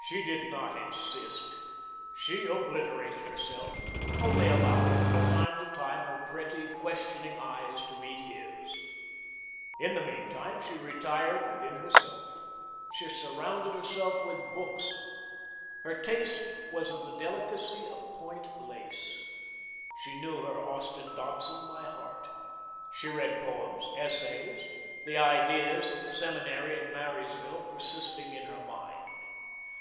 She did not insist. She obliterated herself, only allowing, from time to time, her pretty, questioning eyes to meet his. In the meantime she retired within herself. She surrounded herself with books. Her taste was of the delicacy of point lace. She knew her Austin Dobson by heart. She read poems, essays, the ideas of the seminary at Marysville persisting in her mind.